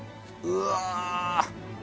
うわ！